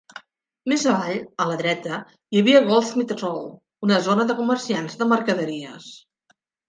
Més avall, a la dreta, hi havia Goldsmiths Row, una zona de comerciants de mercaderies.